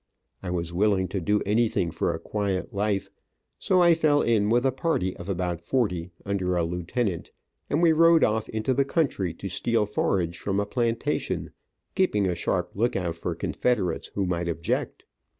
I was willing to do anything for a quiet life, so I fell in with a party of about forty, under a lieutenant, and we rode off into the country to steal forage from a plantation, keeping a sharp lookout for Confederates who might object.